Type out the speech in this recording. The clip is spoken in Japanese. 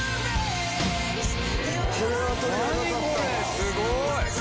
すごい。